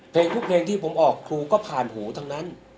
เพลงทุกเพลงที่ผมออกครูก็ผ่านหูทั้งนั้น